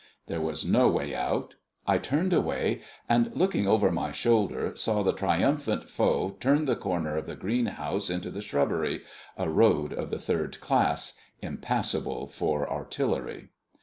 There was no way out. I turned away, and, looking over my shoulder, saw the triumphant foe turn the corner of the greenhouse into the shrubbery, a road of the third class, impassable for artillery.